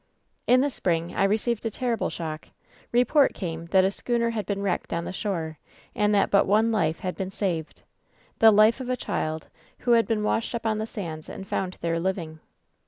"In the spring I received a terrible shock. Report came that a schooner had been wrecked on the shore, and that but one life had been saved — the life of a child who had been washed up on the sands and found there living.